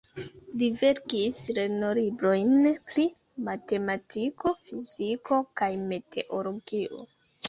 Li verkis lernolibrojn pri matematiko, fiziko kaj meteologio.